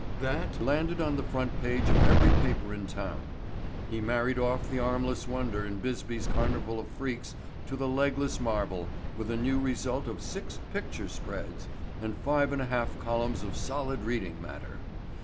That landed on the front page of every paper in town. He married off the Armless Wonder in Bisbee's Carnival of Freaks to the Legless Marvel with a new result of six "picture spreads" and five and a half columns of solid reading matter.